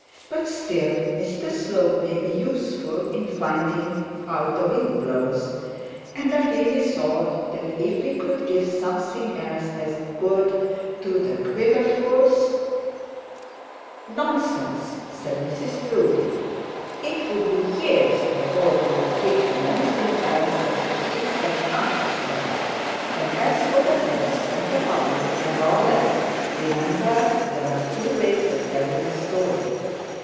But still Mr Slope may be useful in finding how the wind blows, and I really thought that if we could give something good to Mr Quiverful ' 'Nonsense,' said Mrs Proudie; 'it would be years before you could give them anything else that could suit them half as well, and as for the press and the public, and all that, remember there are two ways of telling a story.